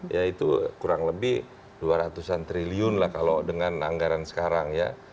ya itu kurang lebih dua ratus an triliun lah kalau dengan anggaran sekarang ya